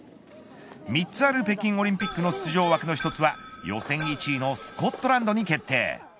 ３つある北京オリンピックの出場枠の１つは予選１位のスコットランドに決定。